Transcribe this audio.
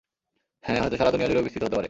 হ্যাঁ, হয়তো সারা দুনিয়া জুড়েও বিস্তৃত হতে পারে!